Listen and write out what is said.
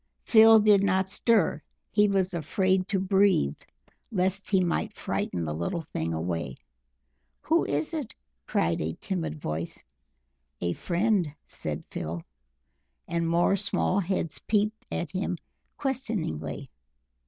Phil did not stir; he was afraid to breathe lest he might frighten the little thing away. "Who is it?" cried a timid voice. "A friend!" said Phil. And more small heads peeped at him questioningly.